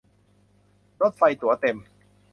รถไฟตั๋วเต็ม